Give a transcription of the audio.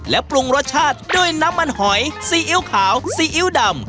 และปรุงรสชาติด้วยน้ำมันหอยซีอิ๊วขาวซีอิ๊วดำ